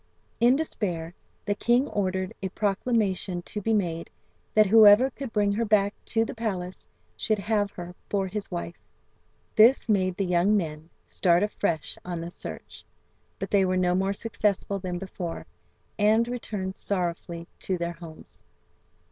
In despair, the king ordered a proclamation to be made that whoever could bring her back to the palace should have her for his wife. This made the young men start afresh on the search, but they were no more successful than before, and returned sorrowfully to their homes.